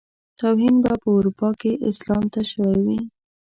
توهين به په اروپا کې اسلام ته شوی وي.